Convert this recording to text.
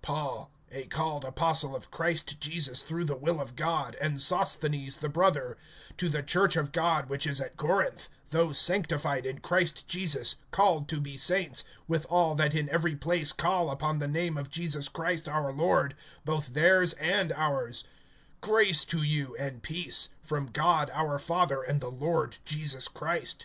PAUL, a called apostle of Christ Jesus through the will of God, and Sosthenes the brother, (2)to the church of God which is at Corinth, those sanctified in Christ Jesus, called to be saints, with all that in every place call upon the name of Jesus Christ our Lord, both theirs and ours: (3)Grace to you, and peace, from God our Father, and the Lord Jesus Christ.